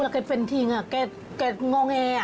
แล้วเกิดเป็นทีเกิดงงแอ